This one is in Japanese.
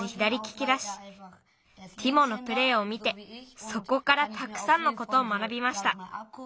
ティモのプレーを見てそこからたくさんのことを学びました。